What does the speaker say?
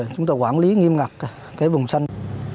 chúng tôi quản lý nghiêm ngặt vùng xanh